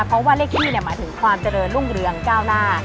เพราะว่าเลขที่หมายถึงความเจริญรุ่งเรืองก้าวหน้า